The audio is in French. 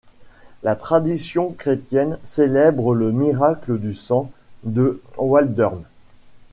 La tradition chrétienne célèbre le miracle du sang de Walldürn.